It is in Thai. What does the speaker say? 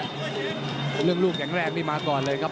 ในตอนที่๓นี้เรื่องรูปแห่งแรงไม่มาก่อนเลยครับ